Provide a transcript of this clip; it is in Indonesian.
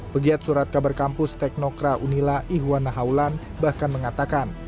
pegiat surat kabar kampus teknokra unila ihwana haulan bahkan mengatakan